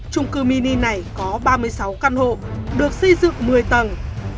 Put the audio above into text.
trung cư mini này có ba mươi sáu căn hộ được xây dựng một mươi tầng